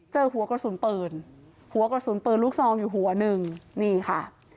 เจอหัวกระสุนปืนหัวกระสุนปืนลูกซองอยู่หัวหนึ่งนี่ค่ะ